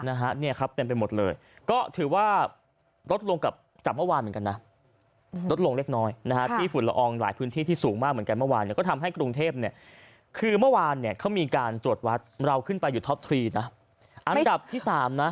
นะฮะเนี่ยครับเต็มไปหมดเลยก็ถือว่าลดลงกับจากเมื่อวานเหมือนกันนะลดลงเล็กน้อยนะฮะที่ฝุ่นละอองหลายพื้นที่ที่สูงมากเหมือนกันเมื่อวานเนี่ยก็ทำให้กรุงเทพเนี่ยคือเมื่อวานเนี่ยเขามีการตรวจวัดเราขึ้นไปอยู่ท็อปทรีนะอันดับที่สามนะ